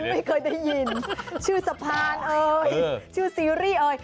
ไม่เคยได้ยินชื่อสะพานเอ่ยชื่อซีรีส์เอ่ย